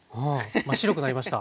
真っ白くなりました。